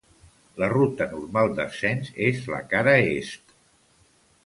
La ruta normal d'ascens és la cara est.